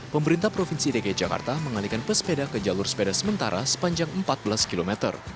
pemerintah provinsi dki jakarta mengalihkan pesepeda ke jalur sepeda sementara sepanjang empat belas km